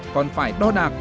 còn phải đo đạc